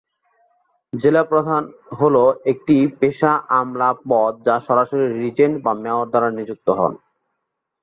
জেলা প্রধান হল একটি পেশা আমলা পদ যা সরাসরি রিজেন্ট বা মেয়র দ্বারা নিযুক্ত।